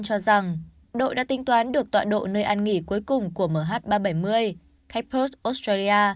cho rằng đội đã tính toán được tọa độ nơi ăn nghỉ cuối cùng của mh ba trăm bảy mươi khách post australia